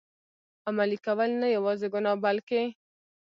عملي کول، نه یوازي ګناه بلکه.